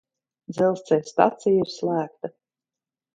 Dzelzceļa stacija ir slēgta.